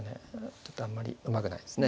ちょっとあんまりうまくないですね。